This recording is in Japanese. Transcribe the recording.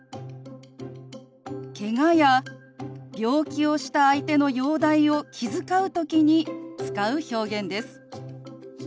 けがや病気をした相手の容体を気遣う時に使う表現です。